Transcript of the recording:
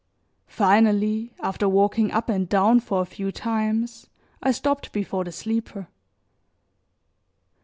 Finally, after walking up and down for a few times I stopped before the sleeper.